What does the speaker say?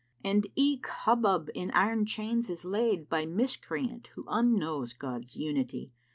And eke Hubúb in iron chains is laid * By Miscreant who unknows God's Unity.